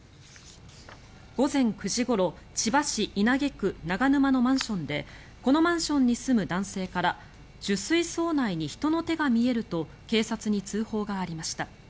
午前９時ごろ千葉市稲毛区長沼のマンションでこのマンションに住む男性から貯水槽内に人の手が見えると警察に通報がありました。